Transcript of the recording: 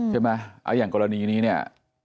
ใช่ไหมอย่างกรณีนี้เนี่ย